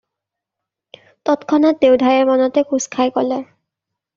তৎক্ষণাৎ দেওধায়ে মনতে কোচ খাই ক'লে।